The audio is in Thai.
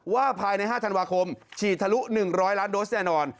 ภายใน๕ธันวาคมฉีดทะลุ๑๐๐ล้านโดสแน่นอน